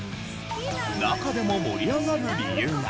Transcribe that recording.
中でも盛り上がる理由が。